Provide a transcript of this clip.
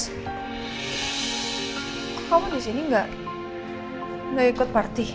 kok kamu di sini gak ikut parti